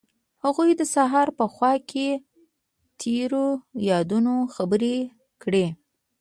هغوی د سهار په خوا کې تیرو یادونو خبرې کړې.